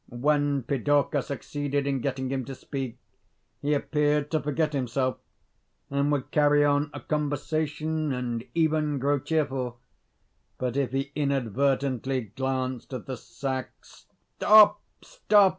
When Pidorka succeeded in getting him to speak, he appeared to forget himself, and would carry on a conversation, and even grow cheerful; but if he inadvertently glanced at the sacks, "Stop, stop!